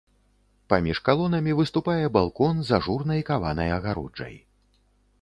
Паміж калонамі выступае балкон з ажурнай каванай агароджай.